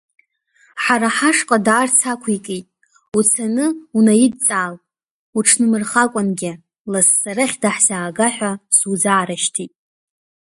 Ҳара ҳашҟа даарц ақәикит, уцаны унаидҵаал, уҽнымырхакәангьы лассы арахь даҳзаага ҳәа сузаарышьҭит!